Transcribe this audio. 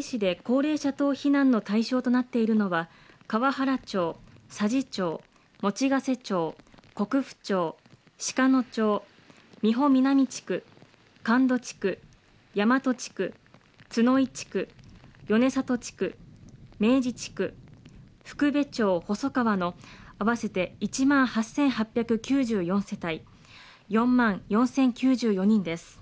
鳥取市で高齢者等避難の対象となっているのは、河原町、佐治町、用瀬町、国府町、鹿野町、美保南地区、神戸地区、大和地区、津ノ井地区、米里地区、明治地区、ふくべ町ほそかわの合わせて１万８８９４世帯４万４０９４人です。